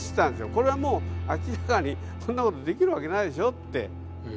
これはもう明らかにそんなことできるわけないでしょって。